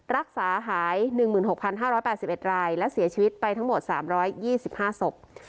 รักษาหายหนึ่งหมื่นหกพันห้าร้อยแปดสิบเอ็ดรายและเสียชีวิตไปทั้งหมดสามร้อยยี่สิบห้าศพ